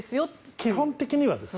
基本的にはですね。